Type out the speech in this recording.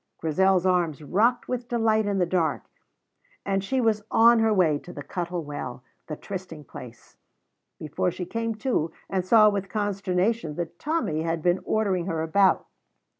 Grizel's arms rocked with delight in the dark, and she was on her way to the Cuttle Well, the trysting place, before she came to and saw with consternation that Tommy had been ordering her about.